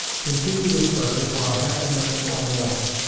Continue this pressure for a half a minute or more.